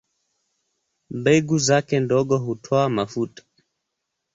Mbegu zake ndogo hutoa mafuta.